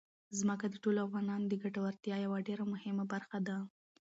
ځمکه د ټولو افغانانو د ګټورتیا یوه ډېره مهمه برخه ده.